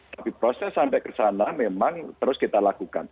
tapi proses sampai ke sana memang terus kita lakukan